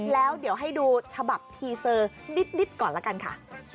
แล้วเดี๋ยวให้ดูฉบับทีเซอร์นิดก่อนละกันค่ะ